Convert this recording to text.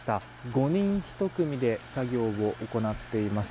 ５人１組で作業を行っています。